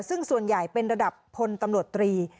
ซึ่งส่วนใหญ่เป็นระดับพลตำรวจตรี